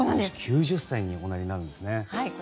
９０歳におなりになるんですね。